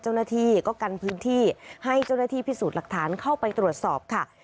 เจ้าหน้าที่ก็กันพื้นที่ให้เจ้าหน้าที่พิสูจน์หลักฐานเข้าไปตรวจสอบค่ะ